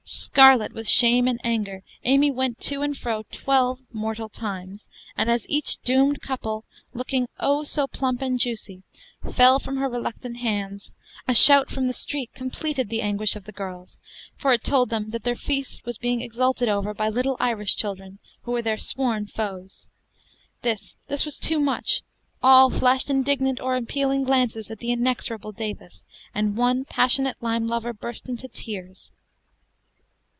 Scarlet with shame and anger, Amy went to and fro twelve mortal times; and as each doomed couple, looking, oh, so plump and juicy! fell from her reluctant hands, a shout from the street completed the anguish of the girls, for it told them that their feast was being exulted over by the little Irish children, who were their sworn foes. This this was too much; all flashed indignant or appealing glances at the inexorable Davis, and one passionate lime lover burst into tears.